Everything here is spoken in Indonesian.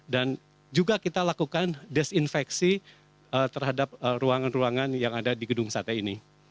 dan juga kita lakukan desinfeksi terhadap ruangan ruangan yang ada di gedung sate ini